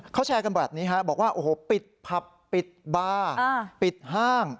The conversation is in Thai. เขาแชร์กันแบบนี้ฮะบอกว่าโอ้โหปิดผับปิดบาร์ปิดห้าง